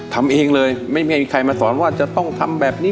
ทำเองเลยไม่มีใครมาสอนว่าจะต้องทำแบบนี้